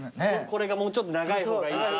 これがもうちょっと長い方がいいとかね。